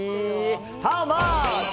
ハウマッチ。